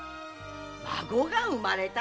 孫が生まれただよ！